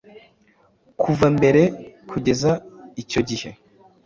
Kuva mbere kugeza icyo gihe,